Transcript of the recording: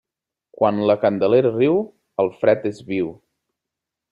Quan la Candelera riu, el fred és viu.